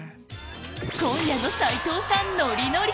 今夜の斉藤さんノリノリ！